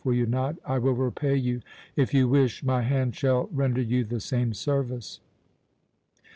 Will you not? I will repay you. If you wish, my hand shall render you the same service."